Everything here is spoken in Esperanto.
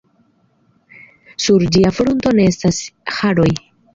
Sur ĝia frunto ne estas haroj.